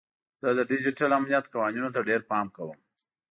زه د ډیجیټل امنیت قوانینو ته ډیر پام کوم.